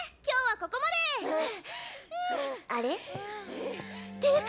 今日はここまで！